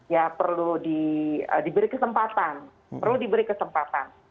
ya perlu diberi kesempatan perlu diberi kesempatan